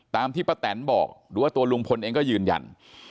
ตามที่ป้าแตนบอกหรือว่าตัวลุงพลเองก็ยืนยัน